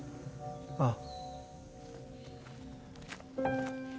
ああ。